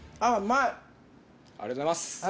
ありがとうございます。